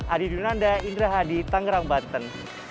adi dunanda indra hadi tangerang banten